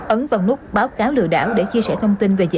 ấn vào nút báo cáo lừa đảo để chia sẻ thông tin về dự án